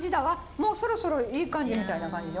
もうそろそろいい感じみたいな感じよ。